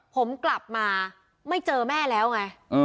ผมกลับมาไม่เจอแม่แล้วไง